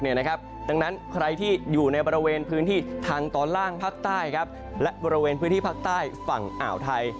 ดังนั้นใครที่อยู่ในบริเวณพื้นที่ทางตอนล่างภาคใต้และบริเวณพื้นที่ภาคใต้ฝั่งอ่าวไทย